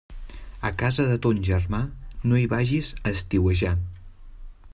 A casa de ton germà, no hi vagis a estiuejar.